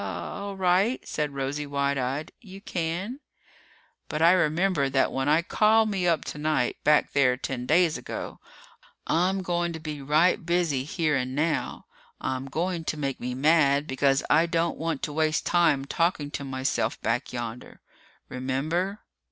"A all right," said Rosie, wide eyed. "You can." "But I remember that when I call me up tonight, back there ten days ago, I'm going to be right busy here and now. I'm going to make me mad, because I don't want to waste time talking to myself back yonder. Remember?